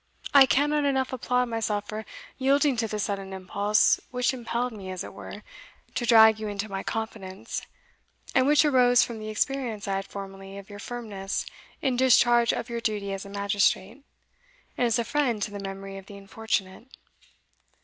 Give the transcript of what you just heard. I cannot enough applaud myself for yielding to the sudden impulse which impelled me, as it were, to drag you into my confidence, and which arose from the experience I had formerly of your firmness in discharge of your duty as a magistrate, and as a friend to the memory of the unfortunate.